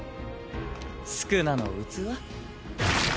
宿儺の器。